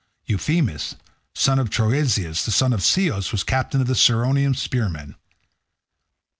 Euphemus, son of Troezenus, the son of Ceos, was captain of the Ciconian spearsmen.